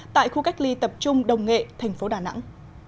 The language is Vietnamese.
tại khu cách ly tập trung đồng nghệ thành phố đà nẵng